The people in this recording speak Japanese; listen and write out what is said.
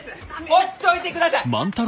ほっちょいてください！